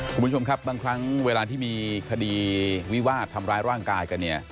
คุณผู้ชมครับบางครั้งเวลาที่มีคดีวิวาดทำร้ายร่างกายกันเนี่ย